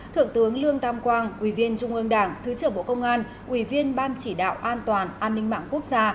thượng tướng lương tam quang ủy viên trung ương đảng thứ trưởng bộ công an ủy viên ban chỉ đạo an toàn an ninh mạng quốc gia